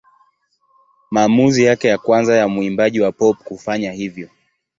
Maamuzi yake ya kwanza ya mwimbaji wa pop kufanya hivyo.